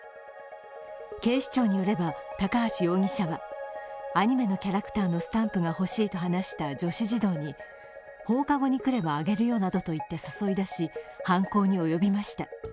警視庁によれば高橋容疑者は、アニメのキャラクターのスタンプが欲しいと話した女子児童に放課後に来れば上げるよなどと言って誘い出し犯行に及びました。